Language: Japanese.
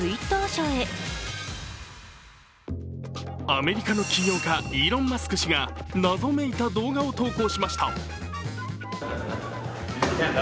アメリカの起業家イーロン・マスク氏が謎めいた動画を投稿しました。